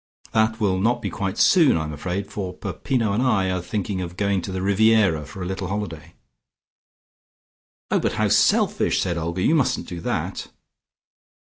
That will not be quite soon, I am afraid, for Peppino and I am thinking of going to the Riviera for a little holiday." "Oh, but how selfish!" said Olga. "You mustn't do that."